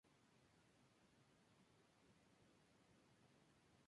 Newman nació en Farmington Hills, Michigan, hija de Marsha Jo y Raphael Newman.